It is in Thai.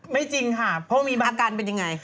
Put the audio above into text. จริงค่ะเพราะมีอาการเป็นยังไง